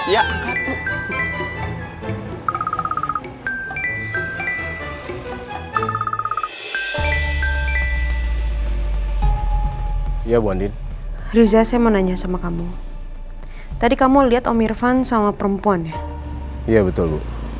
ya bu andin riza saya mau nanya sama kamu tadi kamu lihat om irvan sama perempuan ya iya betul